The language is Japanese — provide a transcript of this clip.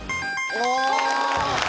お。